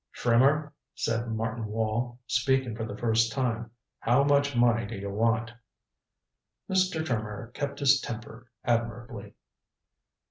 "Trimmer," said Martin Wall, speaking for the first time, "how much money do you want?" Mr. Trimmer kept his temper admirably.